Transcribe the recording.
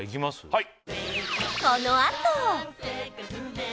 はい！